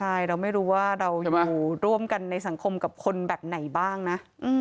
ใช่เราไม่รู้ว่าเราอยู่ร่วมกันในสังคมกับคนแบบไหนบ้างนะ